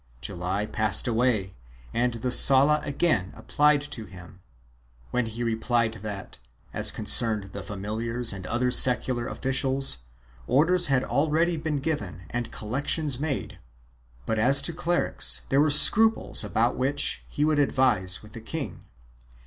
July passed away and the Sala again applied to him, when he replied that, as concerned the familiars and other secular officials, orders had already been given and collections made, but as to clerics there were scruples about which he would advise with the king.